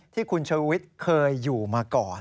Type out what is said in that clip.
ที่คุณชูวิทย์เคยอยู่มาก่อน